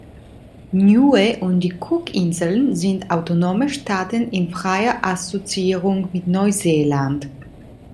Niue und die Cookinseln sind autonome Staaten in freier Assoziierung mit Neuseeland.